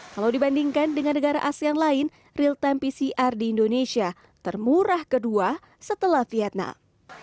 kalau dibandingkan dengan negara asean lain real time pcr di indonesia termurah kedua setelah vietnam